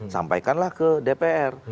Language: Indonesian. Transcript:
sampaikanlah ke dpr